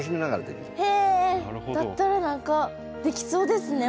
だったら何かできそうですね